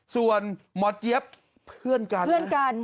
ส่วนหมอเจี๊ยบเพื่อนกัน